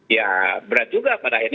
ya berat juga pada akhirnya